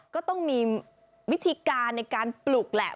ก็ต้องมีวิธีการในการปลุกแหละ